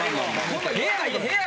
部屋。